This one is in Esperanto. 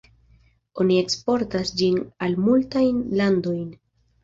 Oni eksportas ĝin al multajn landojn.